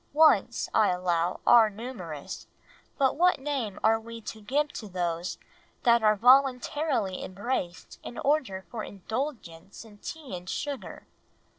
Wants, I allow, are numerous, but what name are we to give to those that are voluntarily embraced in order for indulgence in tea and sugar?...